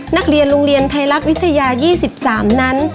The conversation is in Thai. นักเรียนโรงเรียนไทยรัฐวิทยา๒๓นั้น